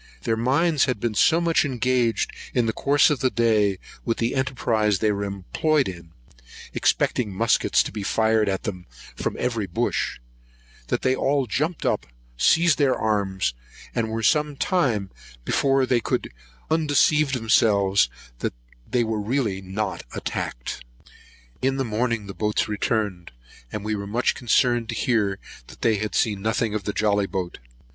Their minds had been so much engaged in the course of the day with the enterprise they were employed in, expecting muskets to be fired at them from every bush, that they all jumped up, seized their arms, and were some time before they could undeceive themselves that they were really not attacked. In the morning the boats returned; and we were much concerned to hear that they had seen nothing of the jolly boat.